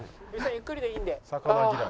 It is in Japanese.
ゆっくりでいいんで。